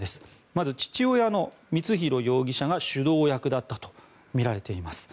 まず、父親の光弘容疑者が主導役だったとみられています。